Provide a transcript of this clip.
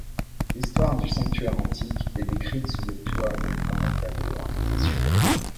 L'histoire du sanctuaire antique est décrite sous le toit abritant la table d'orientation.